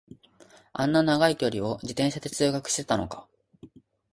あんな長い距離を自転車で通学してたのか